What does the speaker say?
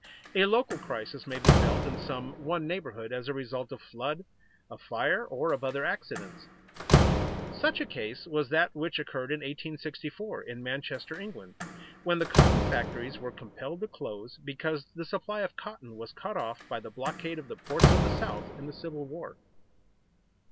A local crisis may be felt in some one neighborhood as a result of flood, of fire, or of other accidents. Such a case was that which occurred in 1864, in Manchester, England, when the cotton factories were compelled to close because the supply of cotton was cut off by the blockade of the ports of the South in the Civil War.